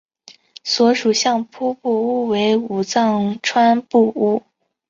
所属相扑部屋为武藏川部屋。